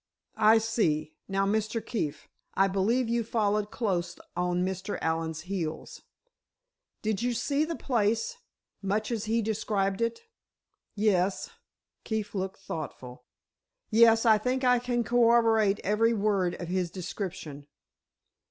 "I see. Now, Mr. Keefe, I believe you followed close on Mr. Allen's heels. Did you see the place—much as he has described it?" "Yes;" Keefe looked thoughtful. "Yes, I think I can corroborate every word of his description."